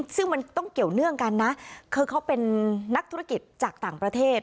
ซึ่งมันต้องเกี่ยวเนื่องกันนะคือเขาเป็นนักธุรกิจจากต่างประเทศ